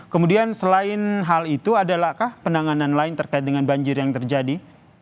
kemudian selain hal itu adalahkah penanganan lain terkait dengan banjir yang terjadi